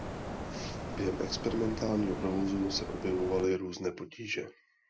Během experimentálního provozu se objevovaly různé potíže.